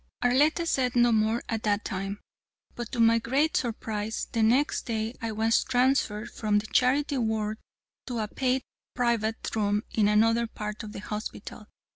Arletta said no more at that time, but to my great surprise, the next day I was transferred from the charity ward to a paid private room in another part of the hospital.